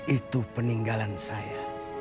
itu peninggalan saya